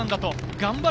頑張れ！